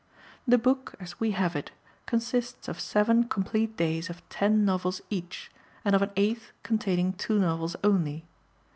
The book, as we have it, consists of seven complete days of ten novels each, and of an eighth containing two novels only.